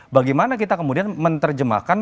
bagaimana kita kemudian menerjemahkan